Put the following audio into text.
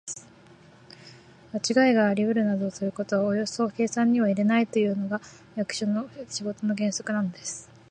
まちがいがありうるなどということはおよそ計算には入れないというのが、役所の仕事の原則なのです。